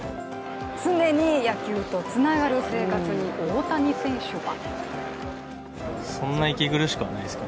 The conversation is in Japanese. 常に野球とつながる生活に大谷選手は？